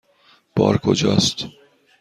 بار کجاست؟